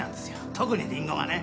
特にリンゴがね。